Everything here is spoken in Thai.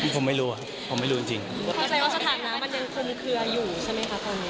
ผมไม่รู้ครับผมไม่รู้จริงครับ